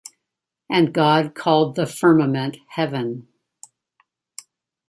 And God called the firmament Heaven.